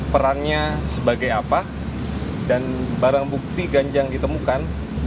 perannya sebagai apa dan barang bukti ganjang ditemukan